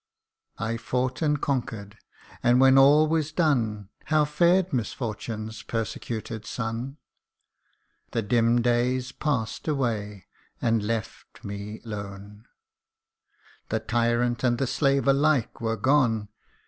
" I fought and conquer'd and when all was done How fared misfortune's persecuted son ? The dim days pass'd away and left me lone ; The tyrant and the slave alike were gone.